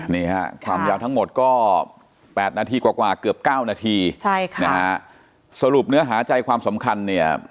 นี่ค่ะความยาวทั้งหมดก็๘นาทีกว่าเกือบ๙นาทีสรุปเนื้อหาใจความสำคัญเนี่ย